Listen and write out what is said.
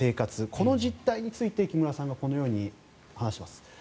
この実態について木村さんはこのように話しています。